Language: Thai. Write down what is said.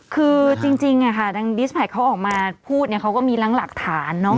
คือจริงค่ะดิสไพด์เขาออกมาพูดเขาก็มีหลังหลักฐาน